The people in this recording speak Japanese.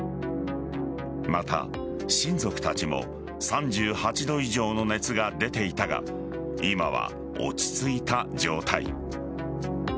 また、親族たちも３８度以上の熱が出ていたが今は落ち着いた状態。